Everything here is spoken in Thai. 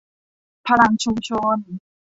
พลังชุมชน